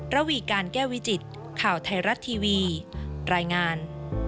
ระวีการแก้วิจิตข่าวไทยรัฐทีวีรายงาน